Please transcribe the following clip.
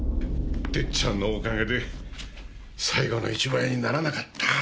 徹ちゃんのおかげで最後の１枚にならなかった。